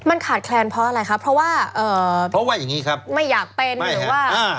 มันขาดแคลนเพราะอะไรครับเพราะว่าไม่อยากเป็นหรือว่า